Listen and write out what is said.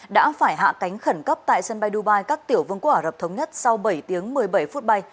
đã phải hạ cánh khẩn cấp tại sân bay dubai các tiểu vương quốc ả rập thống nhất sau bảy tiếng một mươi bảy phút bay